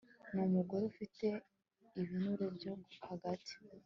Ni umugore ufite ibinure byo hagati